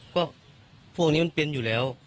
ก็พวกนี้มันเป็นอยู่แล้ว